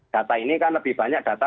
data ini kan lebih banyak data